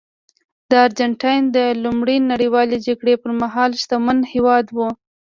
ارجنټاین د لومړۍ نړیوالې جګړې پرمهال شتمن هېواد و.